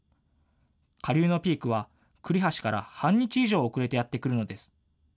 下流のピークは栗橋から半日以上遅れてやって来るのです。